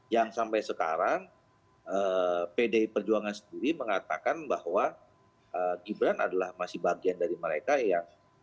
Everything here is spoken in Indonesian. yang sampai sekarang pdi perjuangan sendiri mengatakan bahwa gibran adalah masih bagian dari mereka yang